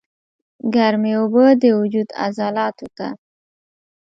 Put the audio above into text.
ګرمې اوبۀ د وجود عضلاتو ته